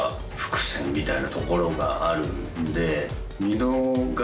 みたいなところがあるんで。